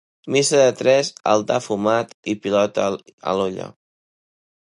Missa de tres, altar fumat i pilota a l'olla.